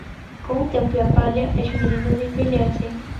Com o tempo e a palha, as meninas envelhecem.